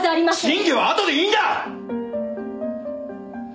真偽はあとでいいんだ！